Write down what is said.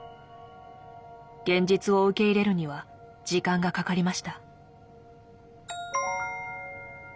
現実を受け入れるには時間がかかりました。